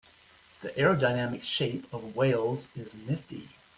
The aerodynamic shape of whales is nifty.